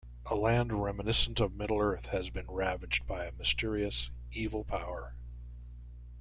A land reminiscent of Middle-earth has been ravaged by a mysterious, evil power.